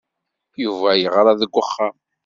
Yuba yeɣra deg uxxam.